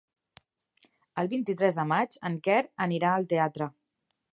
El vint-i-tres de maig en Quer anirà al teatre.